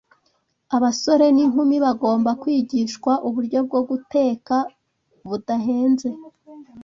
Abasore n’inkumi bagomba kwigishwa uburyo bwo guteka budahenze